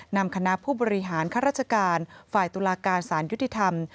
นำคณะผู้บริหารข้าราชการฝ่ายตุลาการสารยุติธรรม